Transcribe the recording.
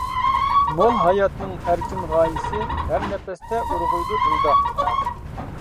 مول ھاياتنىڭ ئەركىن غايىسى، ھەر نەپەستە ئۇرغۇيدۇ دىلدا.